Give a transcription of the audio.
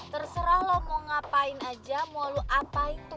terserah lo mau ngapain aja mau lu apa itu